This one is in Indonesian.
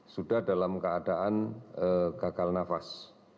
sudah dalam keadaan gagal nafas